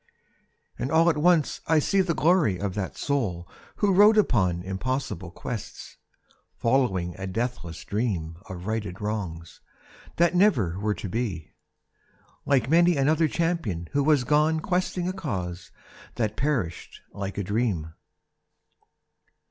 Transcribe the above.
And all at once I see The glory of that soul who rode upon Impossible quests, following a deathless dream Of righted wrongs, that never were to be, Like many another champion who has gone Questing a cause that perished like a dream.